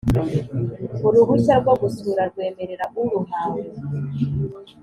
uruhushya rwo gusura rwemerera uruhawe